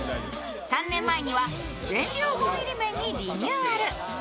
３年前には全粒粉入り麺にリニューアル。